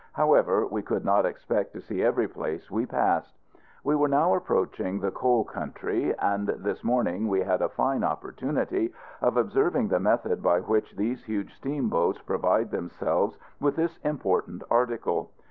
However, we could not expect to see every place we passed. We were now approaching the coal country; and this morning we had a fine opportunity of observing the method by which these huge steamboats provide themselves with this important article.